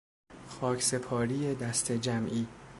خاک سپاری دسته جمعی